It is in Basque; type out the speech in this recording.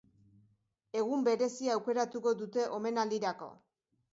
Egun berezia aukeratu dute omenaldirako.